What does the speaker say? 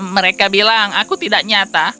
mereka bilang aku tidak nyata